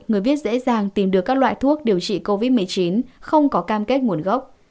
người biết dễ dàng tìm được các loại thuốc điều trị covid một mươi chín không có cam kết nguồn gốc